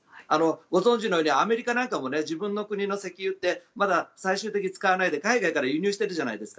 ご存じのようにアメリカなんかも自分の国の石油ってまだ最終的に使わないで海外から輸入しているじゃないですか。